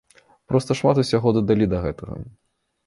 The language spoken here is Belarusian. Проста шмат усяго дадалі да гэтага.